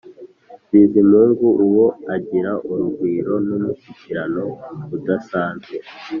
bizimungu uwo agira urugwiro n'umushyikirano udasanzwe.